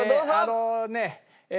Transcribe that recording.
あのねえ